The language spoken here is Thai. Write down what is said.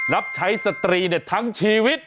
รับใช้สตรีทั้งชีวิต